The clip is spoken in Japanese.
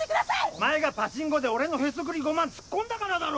お前がパチンコで俺のヘソクリ５万突っ込んだからだろ！